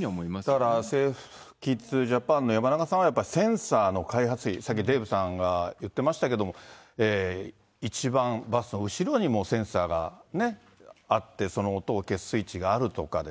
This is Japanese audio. だからセーフキッズジャパンの山中さんは、やっぱりセンサーの開発費、さっきデーブさんが言ってましたけど、一番、バスの後ろにセンサーがあって、その音を消すスイッチがあるとか。